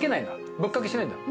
ぶっかけしないんだ。